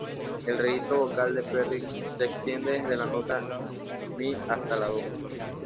El registro vocal de Perry se extiende desde la nota "mi" hasta la "do".